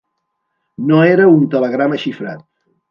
No era un telegrama xifrat.